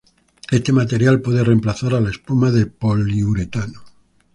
Este material puede reemplazar a la espuma de poliuretano.